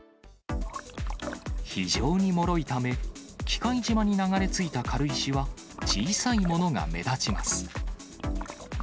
非常にもろいため、喜界島に流れ着いた軽石は、小さいものが目立ちます。